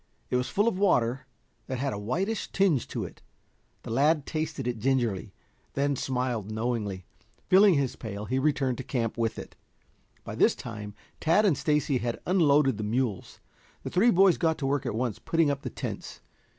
It was full of water that had a whitish tinge to it. The lad tasted it gingerly, then smiled knowingly. Filling his pail he returned to camp with it. By this time Tad and Stacy had unloaded the mules. The three boys got to work at once putting up the tents.